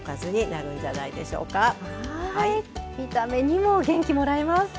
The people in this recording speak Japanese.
見た目にも元気もらえます。